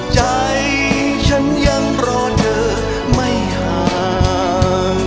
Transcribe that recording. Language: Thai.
ใจฉันยังรอเธอไม่ห่าง